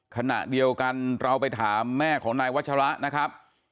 ขณะเดียวกันเราไปถามแม่ของนายวัชระนะครับ